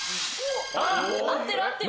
合ってる合ってる。